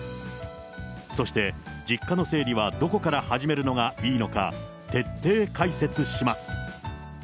そして実家の整理はどこから始めるのがいいのか、徹底解説します。